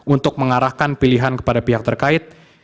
untuk mengarahkan pilihan kepada pihak terkait